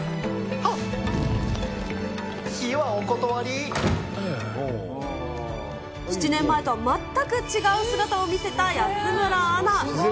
はっ、７年前とは全く違う姿を見せた安村アナ。